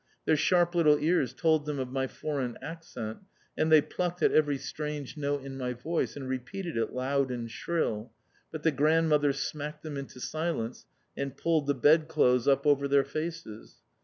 Their sharp little ears told them of my foreign accent, and they plucked at every strange note in my voice, and repeated it loud and shrill, but the grandmother smacked them into silence and pulled the bedclothes up over their faces.